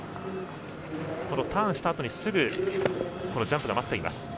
ターンしたあとにすぐジャンプが待っています。